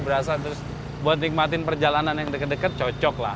berasa terus buat nikmatin perjalanan yang deket deket cocok lah